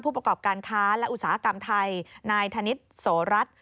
ประกอบการค้าและอุตสาหกรรมไทยนายธนิษฐ์โสรัตน์